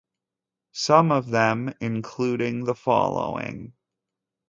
Some of them including the following.